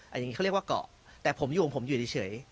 อย่างนี้เขาเรียกว่าเกาะแต่ผมอยู่ของผมอยู่เฉย